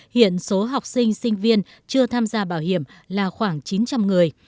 hiện số học sinh sinh viên chưa tham gia bảo hiểm là khoảng chín trăm linh người